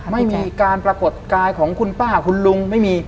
ไม่มีการปรากฏกายของคุณป้าคุณลุงไม่มี